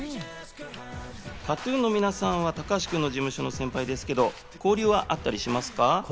ＫＡＴ−ＴＵＮの皆さんは高橋君の事務所の先輩ですけど交流はあったりしますか？